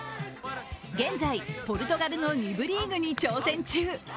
現在、ポルトガルの２部リーグに挑戦中。